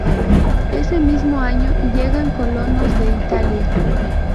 Ese mismo año llegan colonos de Italia.